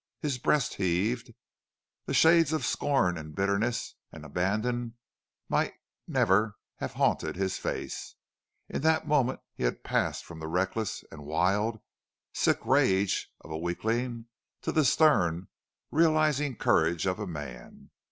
His breast heaved. The shades of scorn and bitterness and abandon might never have haunted his face. In that moment he had passed from the reckless and wild, sick rage of a weakling to the stern, realizing courage of a man.